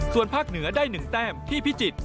ส่วนภาคเหนือได้๑แต้มที่พิจิตร